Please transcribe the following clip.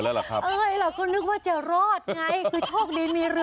เราก็นึกว่าจะรอดไง